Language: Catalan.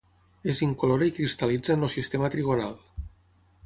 És incolora i cristal·litza en el sistema trigonal.